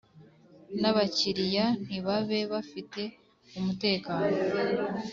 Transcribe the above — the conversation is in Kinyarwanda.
n abakiriya ntibabe bafite umutekano